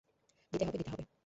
দিতে হবে দিতে হবে।